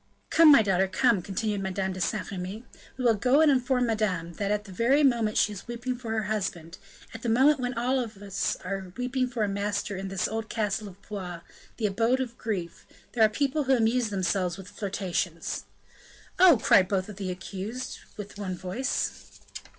"Come, my daughter, come," continued Madame de Saint Remy; "we will go and inform madame that at the very moment she is weeping for her husband, at the moment when we are all weeping for a master in this old castle of Blois, the abode of grief, there are people who amuse themselves with flirtations!" "Oh!" cried both the accused, with one voice.